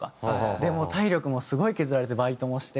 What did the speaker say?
でもう体力もすごい削られてバイトもして。